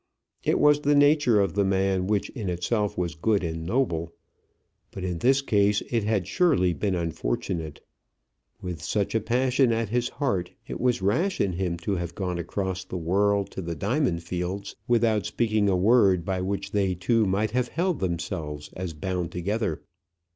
It was the nature of the man, which in itself was good and noble. But in this case it had surely been unfortunate. With such a passion at his heart, it was rash in him to have gone across the world to the diamond fields without speaking a word by which they two might have held themselves as bound together.